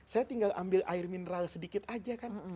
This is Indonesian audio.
saya tinggal ambil air mineral sedikit aja kan